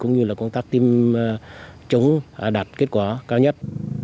cũng như là công tác tiêm chống đạt kết quả cao nhất